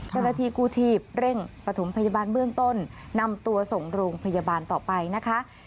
เจ้าหน้าที่กู้ชีพเร่งปฐมพยาบาลเบื้องต้นนำตัวส่งโรงพยาบาลต่อไปนะคะ